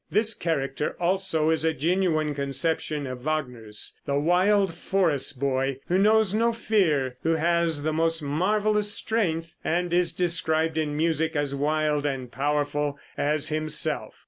This character also is a genuine conception of Wagner's. The wild forest boy who knows no fear, who has the most marvelous strength, is described in music as wild and powerful as himself.